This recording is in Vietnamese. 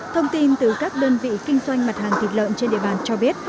thông tin từ các đơn vị kinh doanh mặt hàng thịt lợn trên địa bàn cho biết